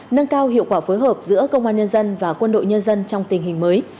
nâng cao hiệu quả phối hợp giữa công an nhân dân và quân đội nhân dân trong tình hình mới